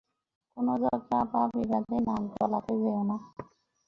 কোনো ঝগড়া বা বিবাদে নাক গলাতে যেও না।